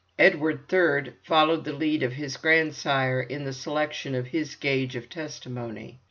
Edward III. followed the lead of his grandsire in the selection of his gage of testimony.